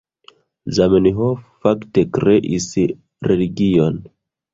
Zamenhof fakte kreis religion.